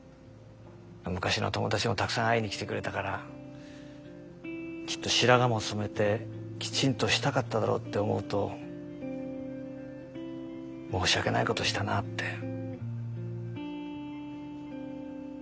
昔の友達もたくさん会いに来てくれたからきっと白髪も染めてきちんとしたかっただろうって思うと申し訳ないことをしたなあって。